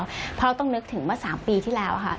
เพราะเราต้องนึกถึงว่า๓ปีที่แล้วค่ะ